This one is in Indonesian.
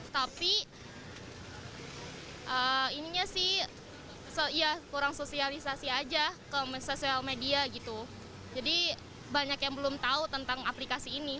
tapi ininya sih ya kurang sosialisasi aja ke sosial media gitu jadi banyak yang belum tahu tentang aplikasi ini